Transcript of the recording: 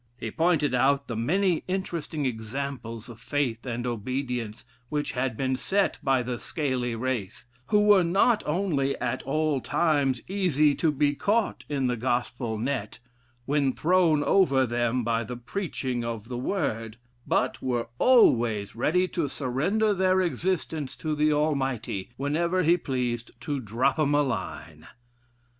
He pointed out the many interesting examples of faith and obedience which had been set by the scaly race, who were not only at all times easy to be caught in the gospel net, when thrown over them by the preaching of the word, but were always ready to surrender their existence to the Almighty, whenever he pleased to drop 'em a line.